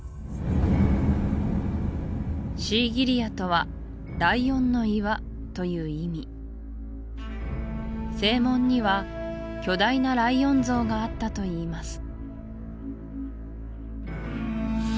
シーギリヤとは「ライオンの岩」という意味正門には巨大なライオン像があったといいます